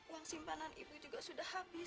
uang simpanan ibu juga sudah habis